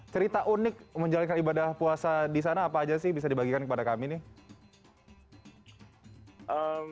cerita unik menjalankan ibadah puasa di sana apa aja sih bisa dibagikan kepada kami nih